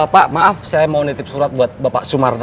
pak maaf saya mau nitip surat buat bapak sumarno